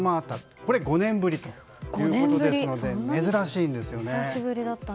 これは５年ぶりということですので珍しいんですよね。